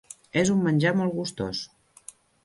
És un menjar molt gustós.